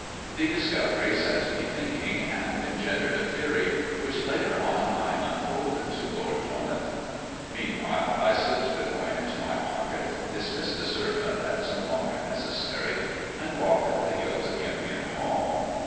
The discovery set me thinking, and engendered a theory which later on I unfolded to Lord Tormouth. Meanwhile I slipped the coin into my pocket, dismissed the servant as no longer necessary, and walked up the hill to Kempion Hall.